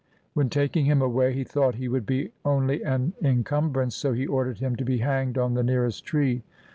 When taking him away he thought he would be only an encumbrance, so he ordered him to be hanged on the nearest tree.